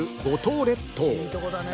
いいとこだね。